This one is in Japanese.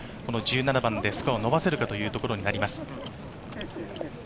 １７番でスコアを伸ばせるかということになります。